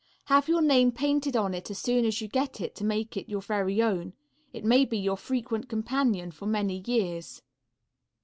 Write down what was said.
Have your name painted on it as soon as you get it, to make it your very own. It may be your frequent companion for many years.